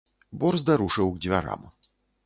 Борзда рушыў к дзвярам.